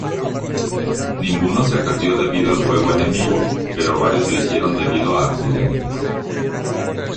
Ninguno se perdió debido al fuego enemigo, pero varios lo hicieron debido a accidentes.